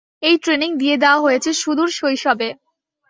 এই ট্রেনিং দিয়ে দেয়া হয়েছে সুদূর শৈশবে।